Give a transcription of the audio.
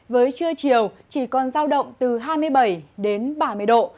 với trưa chiều chỉ còn giao động từ hai mươi bảy đến ba mươi độ